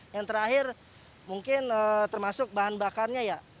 yang terakhir mungkin termasuk bahan bakarnya ya